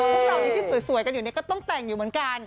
พวกเราที่สวยกันอยู่ก็ต้องแต่งอยู่เหมือนกัน